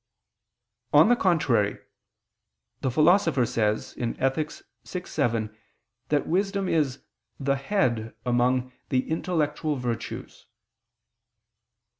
On the contrary, The Philosopher says (Ethic. vi, 7) that wisdom is "the head" among "the intellectual virtues."